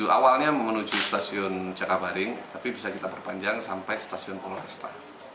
awalnya menuju stasiun jakabaring tapi bisa kita perpanjang sampai stasiun poloresta